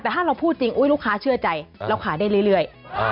แต่ถ้าเราพูดจริงลูกค้าเชื่อใจเราขายได้เรื่อย